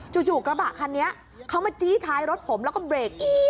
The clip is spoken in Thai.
จู่กระบะคันนี้เขามาจี้ท้ายรถผมแล้วก็เบรกอีก